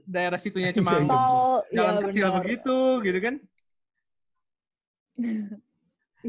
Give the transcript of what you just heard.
daerah situnya cuma jalan kersilap gitu kan